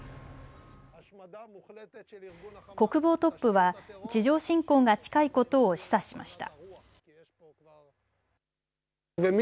国防トップは地上侵攻が近いことを示唆しました。